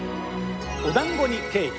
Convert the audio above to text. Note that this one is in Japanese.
お団子にケーキ。